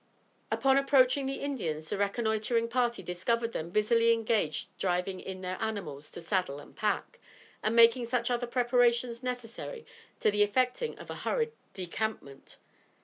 Upon approaching the Indians, the reconnoitering party discovered them busily engaged driving in their animals to saddle and pack, and making such other preparations necessary to the effecting of a hurried decampment.